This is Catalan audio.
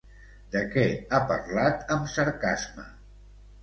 De què ha parlat amb sarcasme?